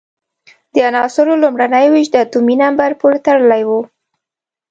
د عناصرو لومړنۍ وېشل د اتومي نمبر پورې تړلی وو.